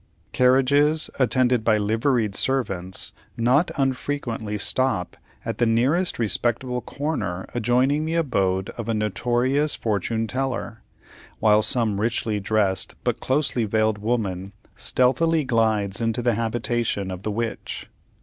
Carriages, attended by liveried servants, not unfrequently stop at the nearest respectable corner adjoining the abode of a notorious Fortune Teller, while some richly dressed but closely veiled woman stealthily glides into the habitation of the Witch.